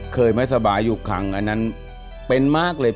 เคยไม่สบายอยู่ครั้งอันนั้นเป็นมากเลย